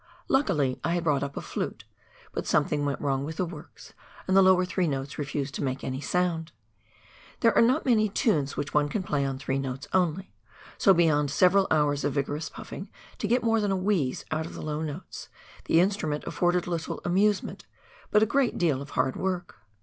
Luckily I had brought up a flute, but something went wrong with the works, and the lower three notes refused to make any sound ! There are not many tunes which one can play on three notes only, so beyond several hours of vigorous pufiing to get more than a wheeze out of the low notes, the instrument afi'orded little amusement — but a great deal of hard work